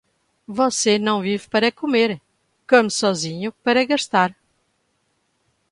Você não vive para comer, come sozinho para gastar.